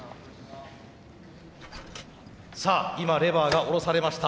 さあ今レバーが下ろされました。